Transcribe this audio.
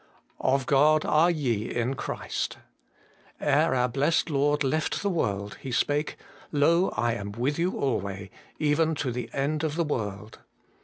' Of God are ye in Christ.' Ere our Blessed Lord left the world, He spake : Lo ! I am with you alway, even to the end of the world.